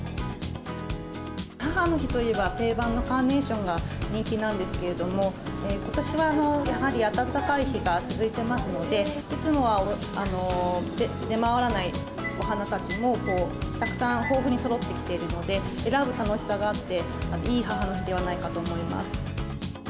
母の日といえば、定番のカーネーションが人気なんですけれども、ことしはやはり暖かい日が続いてますので、いつもは出回らないお花たちも、たくさん、豊富にそろってきているので、選ぶ楽しさがあって、いい母の日ではないかと思います。